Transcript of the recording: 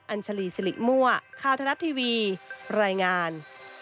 ัญชาลีสิริมั่วข้าวทะลัดทีวีรายงาน